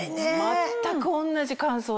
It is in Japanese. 全く同じ感想です。